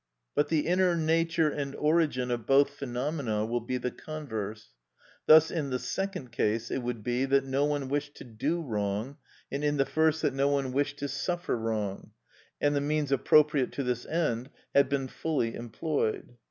But the inner nature and origin of both phenomena will be the converse. Thus in the second case it would be that no one wished to do wrong, and in the first that no one wished to suffer wrong, and the means appropriate to this end had been fully employed.